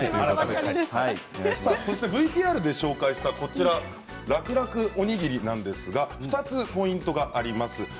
ＶＴＲで紹介したラクラクおにぎりなんですが２つポイントがあります。